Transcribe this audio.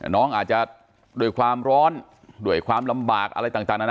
น้องอาจจะด้วยความร้อนด้วยความลำบากอะไรต่างนานา